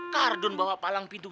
kardun bawa palang pintu